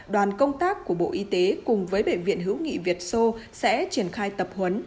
đoàn công tác của bộ y tế cùng với bệnh viện hữu nghị việt sô sẽ triển khai tập huấn